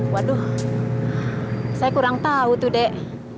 waduh saya kurang tahu tuh dek